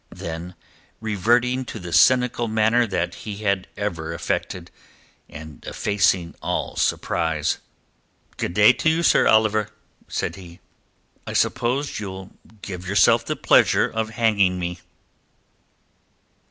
Then reverting to the cynical manner that he had ever affected, and effacing all surprise— "Good day to you, Sir Oliver," said he. "I suppose ye'll give yourself the pleasure of hanging me."